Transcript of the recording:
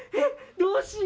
どうしよう。